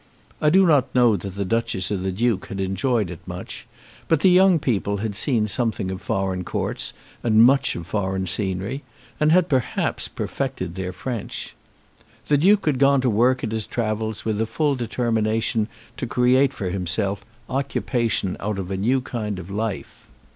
I do not know that the Duchess or the Duke had enjoyed it much; but the young people had seen something of foreign courts and much of foreign scenery, and had perhaps perfected their French. The Duke had gone to work at his travels with a full determination to create for himself occupation out of a new kind of life.